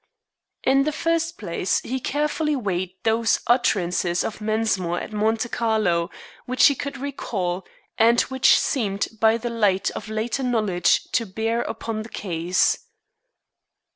In the first place he carefully weighed those utterances of Mensmore at Monte Carlo, which he could recall, and which seemed by the light of later knowledge, to bear upon the case.